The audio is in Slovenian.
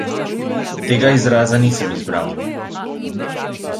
Tega izraza nisem izbral.